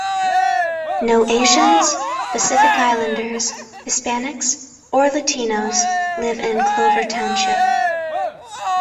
No Asians, Pacific Islanders, Hispanics or Latinos live in Clover Township.